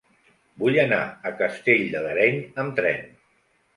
Vull anar a Castell de l'Areny amb tren.